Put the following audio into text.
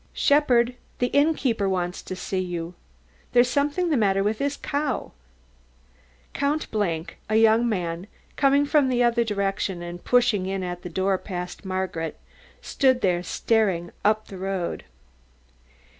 "Shepherd, the inn keeper wants to see you, there's something the matter with his cow." Count a young man, came from the other direction and pushed in at the door past Margit, who stood there staring up the road.